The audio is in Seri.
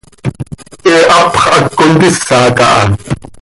He hapx hac contisa caha.